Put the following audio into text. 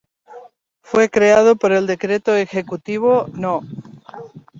Fue creado por el Decreto Ejecutivo No.